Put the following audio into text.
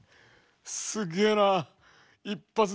すげえな。